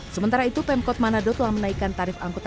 sementara itu pemkot manado telah mencari penyelenggaraan yang berbeda